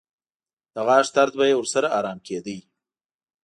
د غاښ درد به یې ورسره ارام کېده.